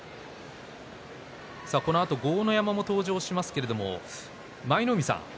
このあと豪ノ山も登場しますが舞の海さん